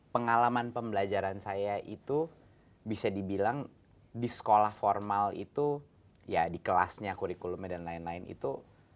pengalaman pembelajaran saya itu bisa dibilang di sekolah formal itu ya di kelasnya kurikulumnya dan lain lain itu